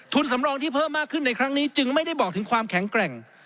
สำรองที่เพิ่มมากขึ้นในครั้งนี้จึงไม่ได้บอกถึงความแข็งแกร่ง